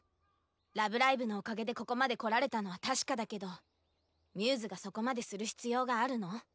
ラブライブのおかげでここまで来られたのは確かだけどμ’ｓがそこまでする必要があるの？